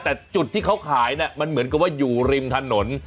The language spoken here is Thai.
แต่จุดที่เขาขายมันเหมือนกับว่าอยู่ริมถนน